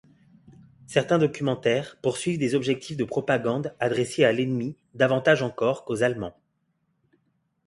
Certains documentaires poursuivent des objectifs de propagande adressée à l'ennemi davantage encore qu'aux Allemands.